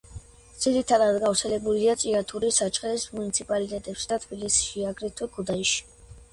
ძირითადად გავრცელებულია ჭიათურის, საჩხერის მუნიციპალიტეტებში და თბილისში, აგრეთვე ქუთაისში.